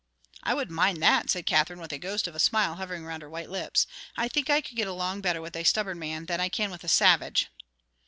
"I wouldn't mind that," said Katherine, with the ghost of a smile hovering around her white lips. "I think I could get along better with a stubborn man than I can with a savage."